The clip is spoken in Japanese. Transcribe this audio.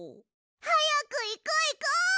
はやくいこういこう！